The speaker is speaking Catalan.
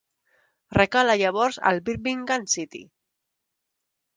Recala llavors al Birmingham City.